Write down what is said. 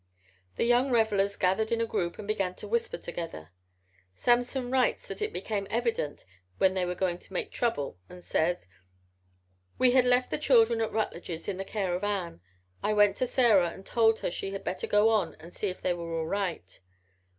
The young revelers gathered in a group and began to whisper together. Samson writes that it became evident then they were going to make trouble and says: "We had left the children at Rutledge's in the care of Ann. I went to Sarah and told her she had better go on and see if they were all right.